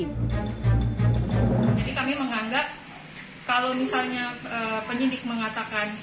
jadi kami menganggap kalau misalnya penyidik mengatakan